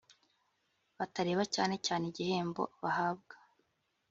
batareba cyane cyane igihembo bahabwa